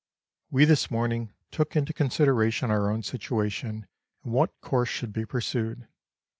We this morning took into consideration our own situation and what course should be pursued.